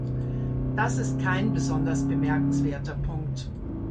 Das ist kein besonders bemerkenswerter Punkt.